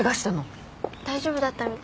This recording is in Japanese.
大丈夫だったみたい。